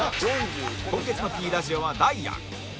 今月の Ｐ ラジオはダイアン